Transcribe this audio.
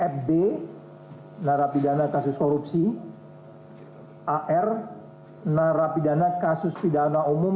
fd narapidana kasus korupsi ar narapidana kasus pidana umum